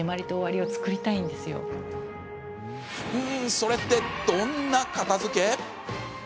それって、どんな片づけ？